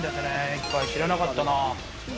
１回、知らなかったな。